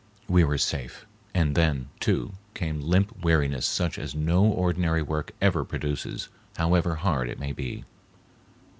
We were safe, and then, too, came limp weariness such as no ordinary work ever produces, however hard it may be.